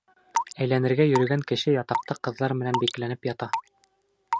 Әйләнергә йөрөгән кеше ятаҡта ҡыҙҙар менән бикләнеп ята.